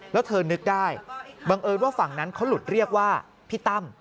แล้วเธอนึกได้บังเอิญว่าฝั่งนั้นเขาหลุดเรียกว่าพี่ตั้ม